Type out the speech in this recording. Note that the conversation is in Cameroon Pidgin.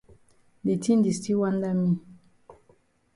De tin di still wanda me.